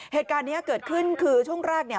เหตุการณ์นี้เกิดขึ้นคือช่วงแรกเนี่ย